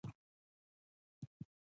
بیا یې په دېکا متره کې هم اندازه کړئ.